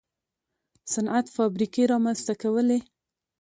صنعت فابریکې رامنځته کولې.